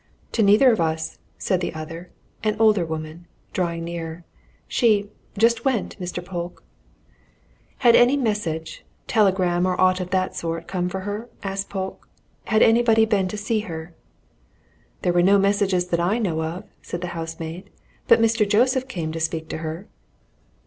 "To neither of us," said the other an older woman, drawing nearer. "She just went, Mr. Polke." "Had any message telegram, or aught of that sort come for her?" asked Polke. "Had anybody been to see her?" "There was no message that I know of," said the housemaid. "But Mr. Joseph came to speak to her."